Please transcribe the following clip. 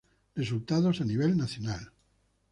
Resultados a nivel nacional.